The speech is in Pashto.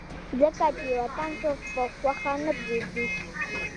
ځکه چې وطن څوک پۀ خوښه نه پريږدي